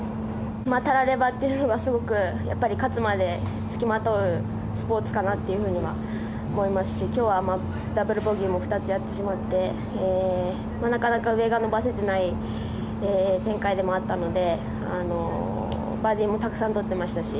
たらればっていうのはすごく勝つまで付きまとうスポーツかなと思いますし今日はダブルボギーも２つやってしまってなかなか上が伸ばせていない展開でもあったのでバーディーもたくさん取ってましたし